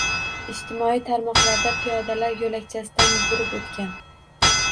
Ijtimoiy tarmoqlarda piyodalar yoʻlakchasidan yugurib oʻtgan.